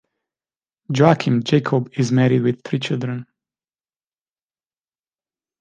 Joachim Jacob is married with three children.